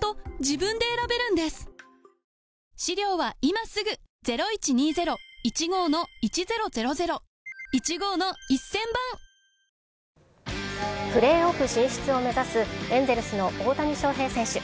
また、この事故の影響で、プレーオフ進出を目指すエンゼルスの大谷翔平選手。